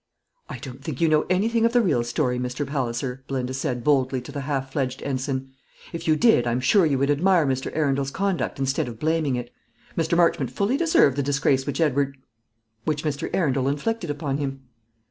"I don't think you know anything of the real story, Mr. Palliser," Belinda said boldly to the half fledged ensign. "If you did, I'm sure you would admire Mr. Arundel's conduct instead of blaming it. Mr. Marchmont fully deserved the disgrace which Edward which Mr. Arundel inflicted upon him."